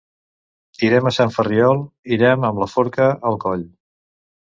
Irem a Sant Ferriol; irem, amb la forca al coll.